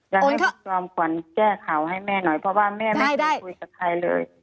อยากให้คุณจอมขวัญแก้ข่าวให้แม่หน่อยเพราะว่าแม่ไม่ได้คุยกับใครเลย